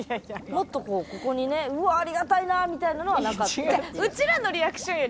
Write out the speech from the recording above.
もっとここにね「うわありがたいな」みたいなのはなかったっていうか。